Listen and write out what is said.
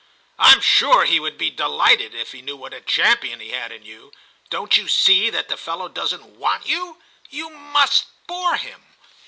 *I am sure he would be delighted if he knew what a champion he had in you ; don't you see that the fellow doesn't want you } You must bore him.'